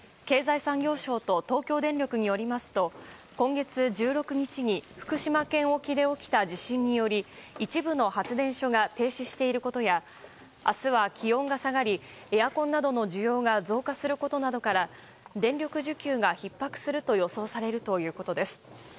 経済産業省と東京電力によりますと今月１６日に福島県沖で起きた地震により一部の発電所が停止していることや明日は気温が下がりエアコンなどの需要が増加することなどから電力需給がひっ迫すると予想されるということです。